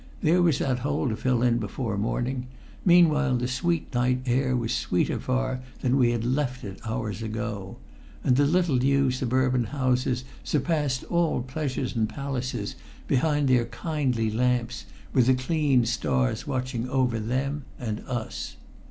There was that hole to fill in before morning; meanwhile the sweet night air was sweeter far than we had left it hours ago; and the little new suburban houses surpassed all pleasures and palaces, behind their kindly lamps, with the clean stars watching over them and us.